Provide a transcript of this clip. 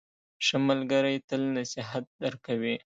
ښه ملګری تل نصیحت درکوي.